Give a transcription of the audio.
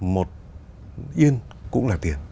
một yên cũng là tiền